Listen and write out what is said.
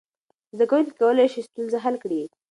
زده کوونکي کولی شول ستونزه حل کړي.